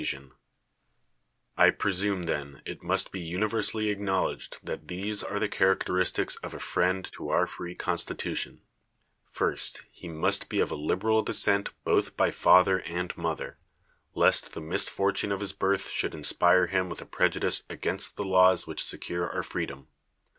217 THE WORLD'S FAMOUS ORATIONS I presume, then, it must be universally ac knowledged that these are the characteristics of a friend to our free constitution: First, he must be of a liberal descent both by father and mother, lest the misfortune of his birth should inspire him with a prejudice against the laws which secure our freedom.